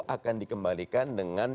akan dikembalikan dengan